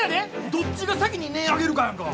どっちが先に音ぇ上げるかやんか。